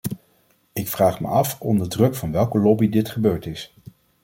Ik vraag me af onder druk van welke lobby dit gebeurd is.